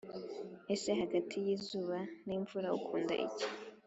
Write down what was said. ese hagati yizuba nimvura ukunda iki